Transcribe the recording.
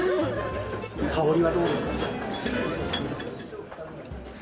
香りはどうですか？